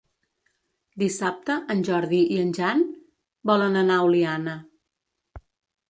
Dissabte en Jordi i en Jan volen anar a Oliana.